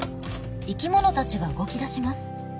生き物たちが動きだします。